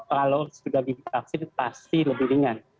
kalau sudah divaksin pasti lebih ringan